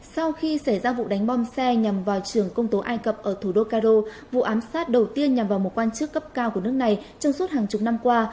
sau khi xảy ra vụ đánh bom xe nhằm vào trường công tố ai cập ở thủ đô cairo vụ ám sát đầu tiên nhằm vào một quan chức cấp cao của nước này trong suốt hàng chục năm qua